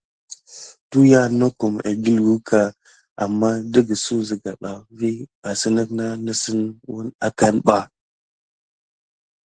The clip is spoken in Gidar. Tuyiya nokum ekikucka aman tikisuk siga ɓa vi asine nesine wune akane ɓa.